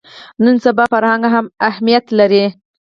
نن سبا فرهنګ اهمیت لري